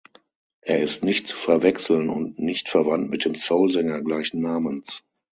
Er ist nicht zu verwechseln und nicht verwandt mit dem Soulsänger gleichen Namens.